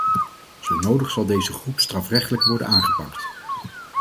Zo nodig zal deze groep strafrechtelijk worden aangepakt.